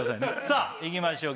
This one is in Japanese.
さあいきましょう。